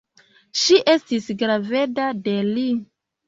Ŝi estis graveda de li.